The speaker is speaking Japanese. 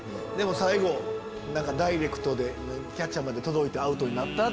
最後ダイレクトでキャッチャーまで届いてアウトになった。